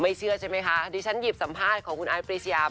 เชื่อใช่ไหมคะดิฉันหยิบสัมภาษณ์ของคุณไอซรีชยา